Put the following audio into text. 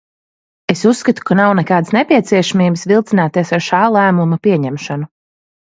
Es uzskatu, ka nav nekādas nepieciešamības vilcināties ar šā lēmuma pieņemšanu.